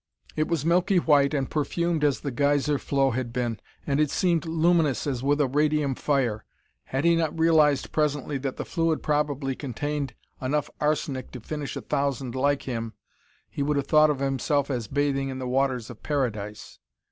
It was milky white and perfumed as the geyser flow had been, and it seemed luminous as with a radium fire. Had he not realized presently that the fluid probably contained enough arsenic to finish a thousand like him, he would have thought of himself as bathing in the waters of Paradise.